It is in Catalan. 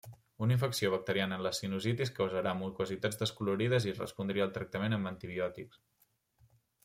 Una infecció bacteriana en la sinusitis causarà mucositats descolorides i respondria al tractament amb antibiòtics.